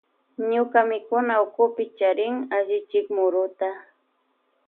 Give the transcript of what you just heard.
Ñuka mikunawkupi charin allichin muruta.